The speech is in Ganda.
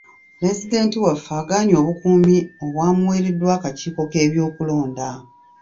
Pulezidenti waffe agaanye obukuumi obwamuweereddwa akakiiko k'ebyokulonda.